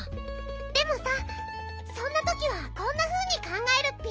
でもさそんなときはこんなふうにかんがえるッピ。